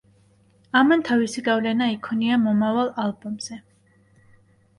ამან თავისი გავლენა იქონია მომავალ ალბომზე.